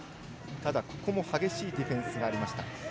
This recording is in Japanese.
ただ、ここも激しいディフェンスがありました。